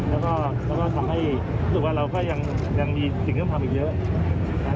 แล้วก็แล้วก็ทำให้ถึงว่าเราก็ยังมีสิ่งต้องทำอีกเยอะ